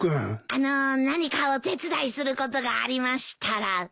あのう何かお手伝いすることがありましたら。